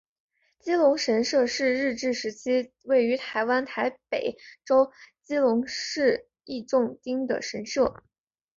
基隆神社是日治时期位在台湾台北州基隆市义重町的神社。